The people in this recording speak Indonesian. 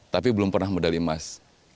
tapi belum pernah medali emas